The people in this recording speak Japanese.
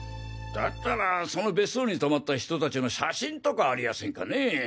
だったらその別荘に泊まった人達の写真とかありやせんかねぇ？